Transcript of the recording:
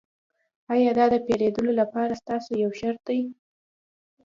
ایا دا د پیرودلو لپاره ستاسو یو شرط دی